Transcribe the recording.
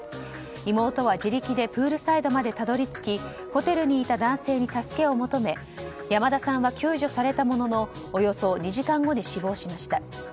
妹は自力でプールサイドまでたどり着き、ホテルにいた男性に助けを求め山田さんは救助されたものおよそ２時間後に死亡しました。